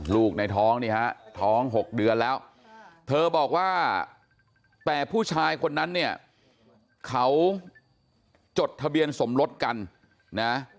ลูกในท้องนี่ฮะท้อง๖เดือนแล้วเธอบอกว่าแต่ผู้ชายคนนั้นเนี่ยเขาจดทะเบียนสมรสกันนะ